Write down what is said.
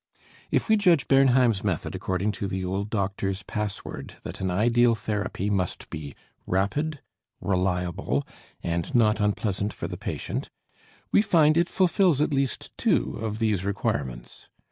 If we judge Bernheim's method according to the old doctor's password that an ideal therapy must be rapid, reliable and not unpleasant for the patient, we find it fulfills at least two of these requirements.